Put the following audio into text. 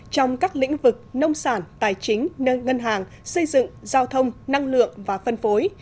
trong các lĩnh vực nông sản tài chính ngân hàng xây dựng giao thông năng lượng và phân phối